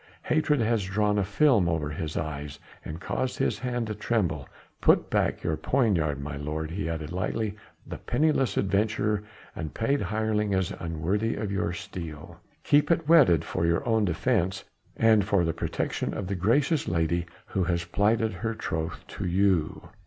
Hatred has drawn a film over his eyes and caused his hand to tremble. Put back your poniard, my lord," he added lightly, "the penniless adventurer and paid hireling is unworthy of your steel. Keep it whetted for your own defence and for the protection of the gracious lady who has plighted her troth to you."